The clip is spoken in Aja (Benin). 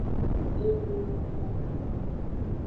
Enumasamasa.